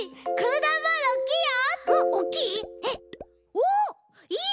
おっきい？